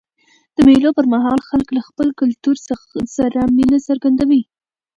د مېلو پر مهال خلک له خپل کلتور سره مینه څرګندوي.